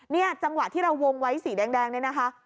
จังหวะที่เราวงไว้สีแดงเนี่ยนะคะ